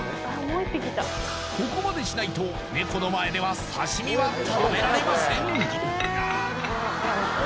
ここまでしないとネコの前では刺身は食べられません！